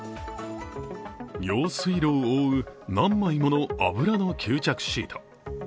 用水路を覆う何枚もの油の吸着シート。